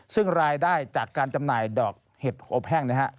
ซึ่งรายได้จากการจำหน่ายดอกเห็ดอบแห้งนะฮะ